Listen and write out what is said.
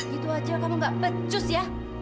gitu aja kamu gak pecus ya